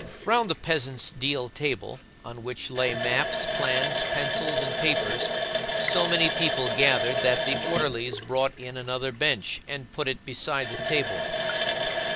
Round the peasant's deal table, on which lay maps, plans, pencils, and papers, so many people gathered that the orderlies brought in another bench and put it beside the table.